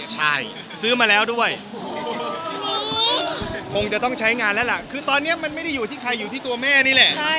ใช่ซื้อมาแล้วด้วยคงจะต้องใช้งานแล้วล่ะคือตอนนี้มันไม่ได้อยู่ที่ใครอยู่ที่ตัวแม่นี่แหละ